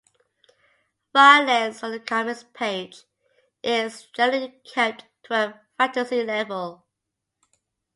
Violence on the comics page is generally kept to a fantasy level.